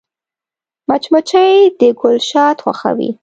مچمچۍ د ګل شات خوښوي